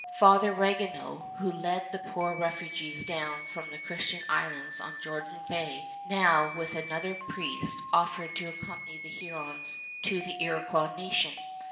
Father Ragueneau, who had led the poor refugees down from the Christian Islands on Georgian Bay, now with another priest offered to accompany the Hurons to the Iroquois nation.